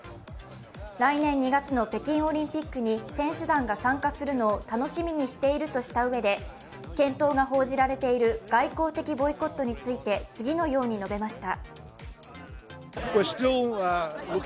来年２月の北京オリンピックに選手団が参加するのを楽しみにしているとしたうえで検討が報じられている外交的ボイコットについて次のように述べました。